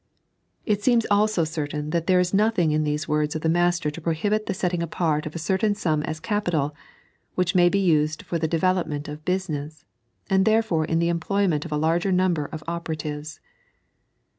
It seems also certaia that there is nothing in these words of the Master to prohibit the setting apart of a certain sum an capital, which may be osed for the development of busi ness, and therefore in the employment of a letter number of operativee.